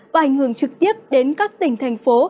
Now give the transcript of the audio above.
và ảnh hưởng trực tiếp đến các tỉnh thành phố